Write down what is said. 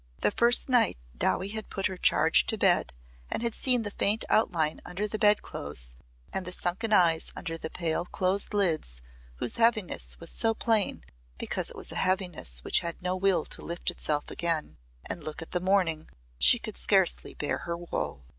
The first night Dowie had put her charge to bed and had seen the faint outline under the bedclothes and the sunken eyes under the pale closed lids whose heaviness was so plain because it was a heaviness which had no will to lift itself again and look at the morning, she could scarcely bear her woe.